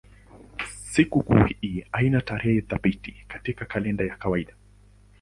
Sikukuu hii haina tarehe thabiti katika kalenda ya kawaida.